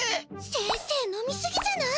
先生飲みすぎじゃない？